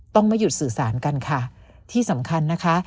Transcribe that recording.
ไม่หยุดสื่อสารกันค่ะที่สำคัญนะคะ